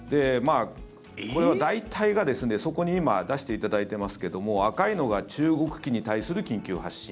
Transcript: これは大体が、そこに今出していただいてますけども赤いのが中国機に対する緊急発進